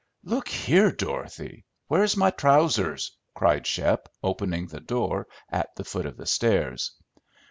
"Look here, Dorothy! Where's my trousers?" cried Shep, opening the door at the foot of the stairs.